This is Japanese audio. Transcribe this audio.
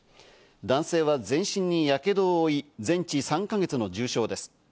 男性は全身にやけどを負い、全治３か月の重傷です。